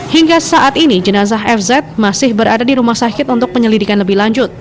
hingga saat ini jenazah fz masih berada di rumah sakit untuk penyelidikan lebih lanjut